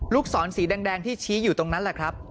ศรสีแดงที่ชี้อยู่ตรงนั้นแหละครับ